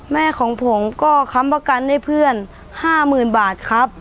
แม่ของผมก็ค้ำประกันให้เพื่อน๕๐๐๐บาทครับ